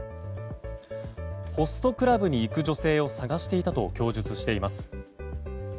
ホストクラブに行く女性を探していたと供述しています。